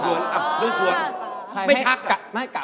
จะขอสงคราม